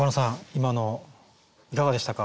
今のいかがでしたか？